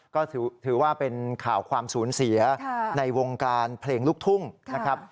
ก็ถือว่าเป็นข่าวความสูญเสียในวงการเพลงลูกทุ่งนะครับ